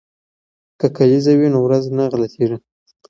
که کلیزه وي نو ورځ نه غلطیږي.